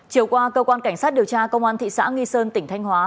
chiều qua cơ quan cảnh sát điều tra công an thị xã nghi sơn tỉnh thanh hóa